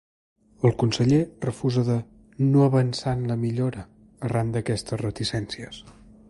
El conseller refusa de ‘no avançar en la millora’ arran d’aquestes reticències.